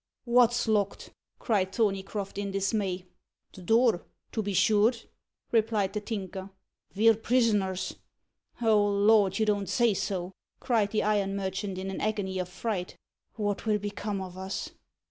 "What's locked?" cried Thorneycroft in dismay. "The door, to be sure," replied the Tinker. "Ve're prisoners." "O Lord, you don't say so!" cried the iron merchant in an agony of fright. "What will become of us?"